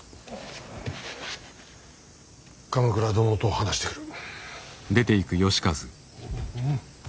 鎌倉殿と話してくる。